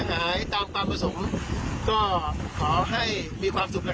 ก็ขอให้มีความสุขนะครับคุณแม่